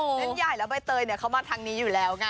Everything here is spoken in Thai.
เส้นใหญ่แล้วใบเตยเขามาทางนี้อยู่แล้วไง